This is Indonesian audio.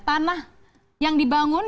tanah yang dibangun